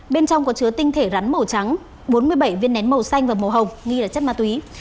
bên trong có chứa tinh thể rắn màu trắng bốn mươi bảy viên nén màu xanh và màu hồng nghi là chất ma túy